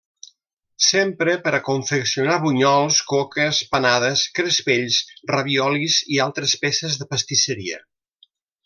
S'empra per a confeccionar bunyols, coques, panades, crespells, raviolis i altres peces de pastisseria.